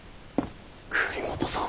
栗本さん！